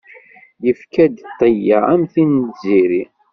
Yefka-d ṭṭya, am tin n tziri.